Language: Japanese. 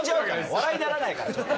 笑いにならないからちょっと。